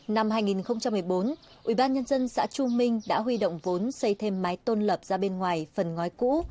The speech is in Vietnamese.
năm hai nghìn một mươi bốn ubnd xã chu minh đã huy động vốn xây thêm mái tôn lập ra bên ngoài phần ngói cũ